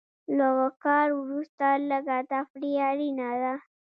له کار وروسته لږه تفریح اړینه ده.